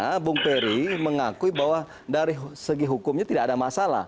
karena bung peri mengakui bahwa dari segi hukumnya tidak ada masalah